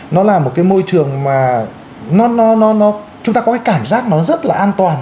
nó là một cái môi trường mà chúng ta có cái cảm giác nó rất là an toàn